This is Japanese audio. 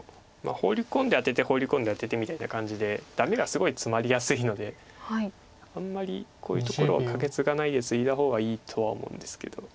ホウリ込んでアテてホウリ込んでアテてみたいな感じでダメがすごいツマりやすいのであんまりこういうところはカケツガないでツイだ方がいいとは思うんですけど。